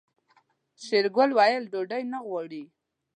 شېرګل وويل ډوډۍ نه غواړي.